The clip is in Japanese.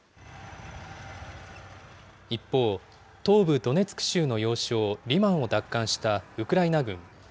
一方、東部ドネツク州の要衝リマンを奪還したウクライナ軍。